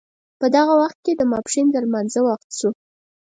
په دغه وخت کې د ماپښین لمانځه وخت شو.